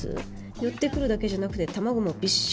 「寄ってくるだけじゃなくて卵もびっしり産んでいきます」